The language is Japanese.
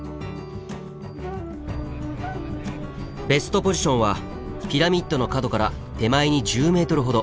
ベストポジションはピラミッドの角から手前に１０ｍほど。